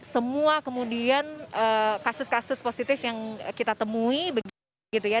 semua kemudian kasus kasus positif yang kita temui